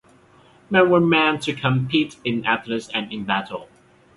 Men were meant to compete in athletics and in battle.